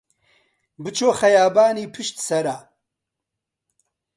بچۆ خەیابانی پشت سەرا